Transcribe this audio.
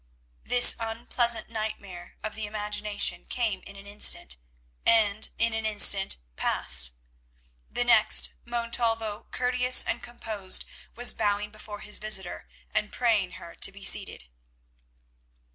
This unpleasant nightmare of the imagination came in an instant, and in an instant passed. The next Montalvo, courteous and composed, was bowing before his visitor and praying her to be seated.